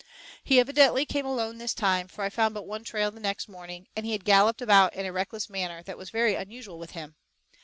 He evidently came alone this time, for I found but one trail next morning, and he had galloped about in a reckless manner that was very unusual with him.